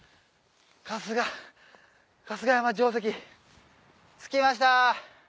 「春日山城跡」着きました。